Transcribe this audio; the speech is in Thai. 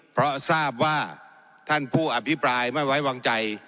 เพราะทราบว่าท่านผู้อภิปรายไม่ไว้วางใจ